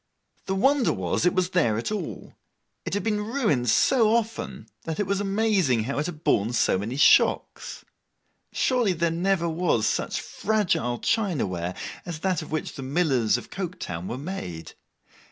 The wonder was, it was there at all. It had been ruined so often, that it was amazing how it had borne so many shocks. Surely there never was such fragile china ware as that of which the millers of Coketown were made.